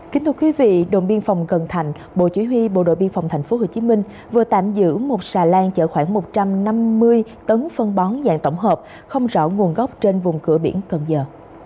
kính thưa quý vị động biên phòng cần thành vừa tạm giữ một xà lan chở khoảng một trăm năm mươi tấn phân bón dạng tổng hợp không rõ nguồn gốc trên vùng cửa biển cần giờ